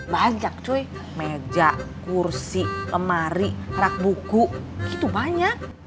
banyak cuy meja kursi lemari rak buku gitu banyak